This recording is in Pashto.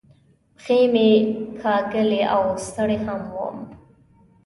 پښې مې کاږولې او ستړی هم ووم.